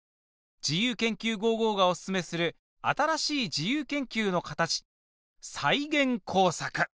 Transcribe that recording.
「自由研究５５」がおすすめする新しい自由研究の形再現工作。